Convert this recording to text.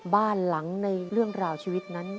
บ้านหลังในเรื่องราวชีวิตนั้น